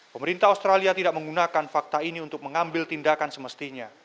pemerintah australia tidak menggunakan fakta ini untuk mengambil tindakan semestinya